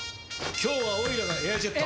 今日はオイラが「エアジェット」！